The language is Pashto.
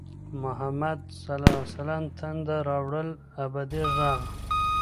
محمده "ص"تنده راوړل ابدي ږغ